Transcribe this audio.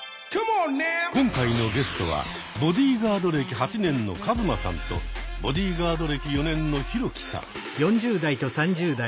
今回のゲストはボディーガード歴８年のカズマさんとボディーガード歴４年のヒロキさん。